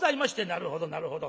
「なるほどなるほど。